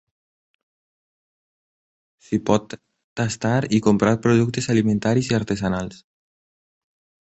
S'hi pot tastar i comprar productes alimentaris i artesanals.